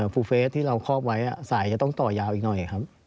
ฟูเฟสที่เราครอบไว้สายจะต้องต่อยาวอีกหน่อยครับ